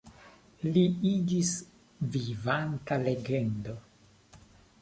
Li iĝis vivanta legendo.